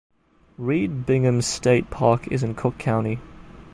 Reed Bingham State Park is in Cook County.